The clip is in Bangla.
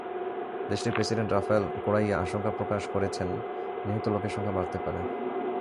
দেশটির প্রেসিডেন্ট রাফায়েল কোরাইয়া আশঙ্কা প্রকাশ করেছেন, নিহত লোকের সংখ্যা বাড়তে পারে।